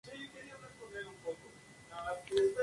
Agricultura de secano y de regadío, ganadería e industria.